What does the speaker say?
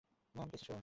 Ma'am, পিছে সরুন।